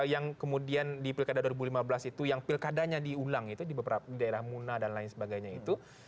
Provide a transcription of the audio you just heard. yang kemudian di pilkada dua ribu lima belas itu yang pilkadanya diulang itu di beberapa daerah muna dan lain sebagainya itu